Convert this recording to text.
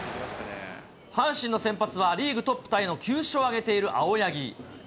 阪神の先発は、リーグトップタイの９勝を挙げている青柳。